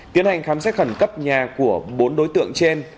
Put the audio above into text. tiến hành khám xét khẩn cấp nhà của bốn đối tượng trên